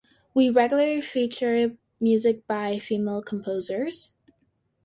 We regularly feature music by female composers.